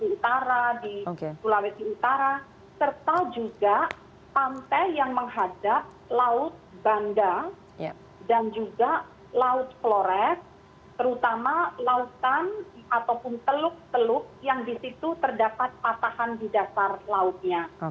di utara di sulawesi utara serta juga pantai yang menghadap laut banda dan juga laut flores terutama lautan ataupun teluk teluk yang di situ terdapat patahan di dasar lautnya